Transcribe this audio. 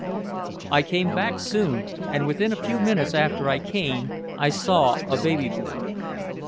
I came back soon, and within a few minutes after I came I saw a baby born.